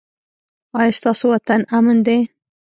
ایا ستاسو وطن امن دی؟